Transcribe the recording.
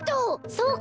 そうか！